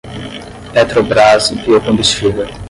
Petrobras Biocombustível